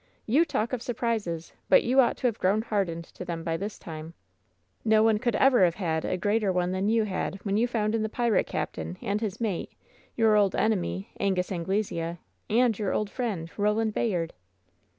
"You talk of surprises ; but you ought to have grown hardened to them by this time ! No one could ever have had a greater one than you had when you found in the pirate captain and his mate your old enemy, Angus Anglesea, and your old friend, Koland Bayard!'